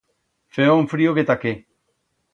Feba un frío que ta qué.